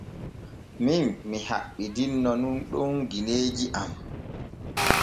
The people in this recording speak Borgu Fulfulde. Min mi haɓɓidiino nun ɗum gineeji am.